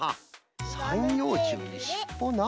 さんようちゅうにしっぽな。